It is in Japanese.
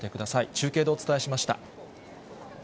中継でお伝えしました。